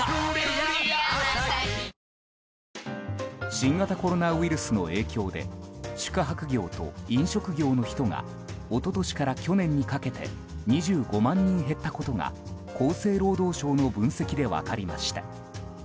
新型コロナウイルスの影響で宿泊業と飲食業の人が一昨年から去年にかけて２５万人減ったことが厚生労働省の分析で分かりました。